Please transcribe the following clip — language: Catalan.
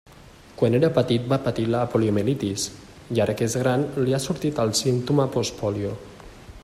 Quan era petit va patir la poliomielitis, i ara que és gran li ha sortit el símptoma 'post-pòlio'.